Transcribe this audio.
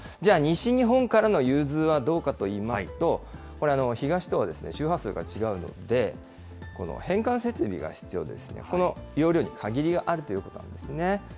じゃあ、西日本からの融通はどうかといいますと、これ、東とは周波数が違うので、変換設備が必要で、この容量に限りがあるということなんですね。